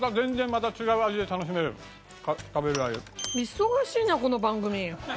忙しいなこの番組。